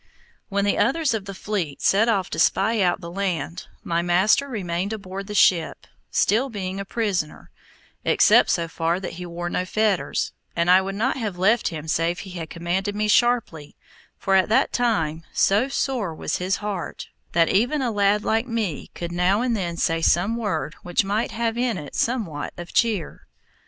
When the others of the fleet set off to spy out the land, my master remained aboard the ship, still being a prisoner, except so far that he wore no fetters, and I would not have left him save he had commanded me sharply, for at that time, so sore was his heart, that even a lad like me could now and then say some word which might have in it somewhat of cheer.